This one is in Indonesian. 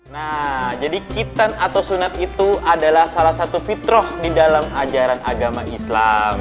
nah jadi kitan atau sunat itu adalah salah satu fitroh di dalam ajaran agama islam